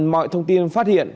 mọi thông tin phát hiện